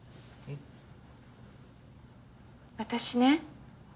私ね